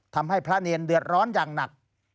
ทำให้พระเนรเดือดร้อนอย่างหนัก